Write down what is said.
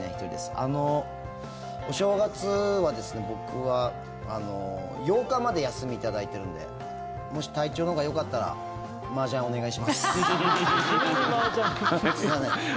あの、お正月は僕は８日まで休み頂いてるんでもし体調のほうがよかったらマージャン、お願いします。